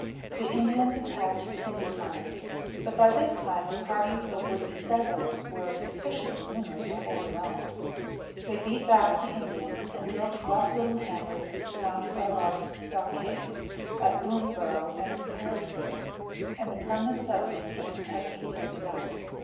The Indians attacked the newcomers; but by this time the parties of would be settlers were sufficiently numerous to hold their own. They beat back the Indians, and built rough little hamlets, surrounded by log stockades, at Boonesborough and Harrodsburg; and the permanent settlement of Kentucky had begun.